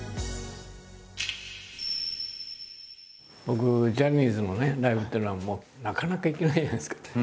僕ジャニーズのライブっていうのはなかなか行けないじゃないですか？